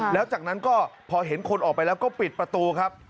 แล้วจากนั้นก็พอเห็นคนออกไปแล้วก็ปิดประตูครับ